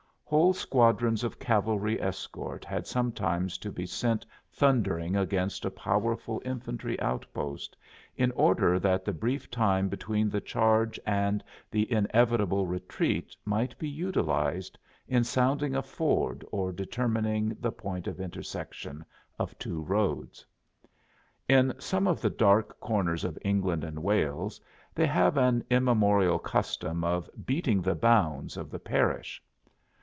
Whole squadrons of cavalry escort had sometimes to be sent thundering against a powerful infantry outpost in order that the brief time between the charge and the inevitable retreat might be utilized in sounding a ford or determining the point of intersection of two roads. In some of the dark corners of England and Wales they have an immemorial custom of "beating the bounds" of the parish.